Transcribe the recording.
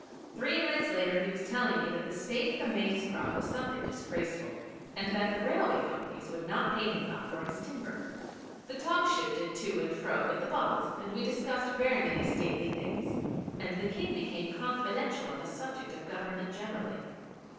Three minutes later he was telling me that the state of the maize crop was something disgraceful, and that the Railway companies would not pay him enough for his timber. The talk shifted to and fro with the bottles, and we discussed very many stately things, and the King became confidential on the subject of Government generally.